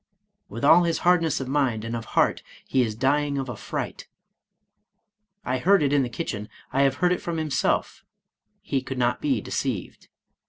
" With all his hardness of mind, and of heart, he is dying of a fright. I heard it in the kitchen, I have heard it from himself, — he could not be deceived.